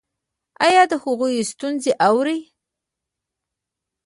ایا د هغوی ستونزې اورئ؟